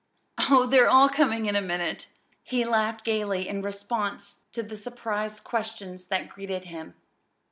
"Oh, they're all coming in a minute," he laughed gayly in response to the surprised questions that greeted him.